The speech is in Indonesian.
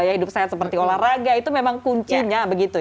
gaya hidup sehat seperti olahraga itu memang kuncinya begitu ya